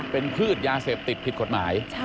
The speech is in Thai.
เป็นพืชยาเสพติดผิดกฎหมาย